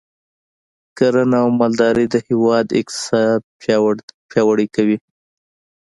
کرنه او مالداري د هیواد اقتصاد پیاوړی کوي.